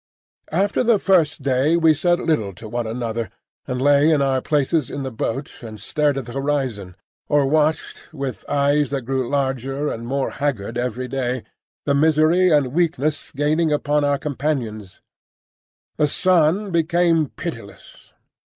After the first day we said little to one another, and lay in our places in the boat and stared at the horizon, or watched, with eyes that grew larger and more haggard every day, the misery and weakness gaining upon our companions. The sun became pitiless.